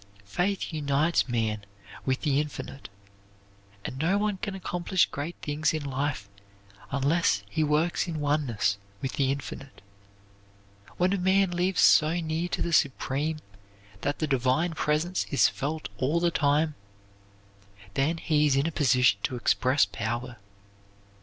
Faith unites man with the Infinite, and no one can accomplish great things in life unless he works in oneness with the Infinite. When a man lives so near to the Supreme that the divine Presence is felt all the time, then he is in a position to express power.